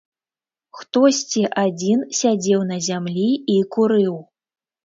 Хтосьці адзін сядзеў на зямлі і курыў.